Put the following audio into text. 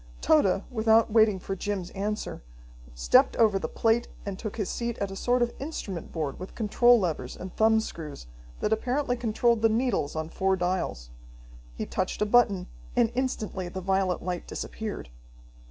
Tode, without waiting for Jim's answer, stepped over the plate and took his seat at a sort of instrument board with control levers and thumb screws that apparently controlled the needles on four dials. He touched a button, and instantly the violet light disappeared.